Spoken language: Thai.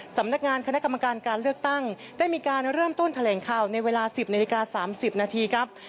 สำนักงานคณะกรรมการการเลือกตั้งได้มีการเริ่มต้นแถลงข่าวในเวลา๑๐นาฬิกา๓๐นาทีครับ